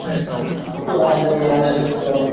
আমি জানি আমার চুপ থাকা আমার বিরুদ্ধে যেতে পারে।